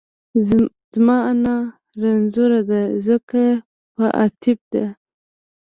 زما انا رنځورۀ دۀ ځکه په اتېب دۀ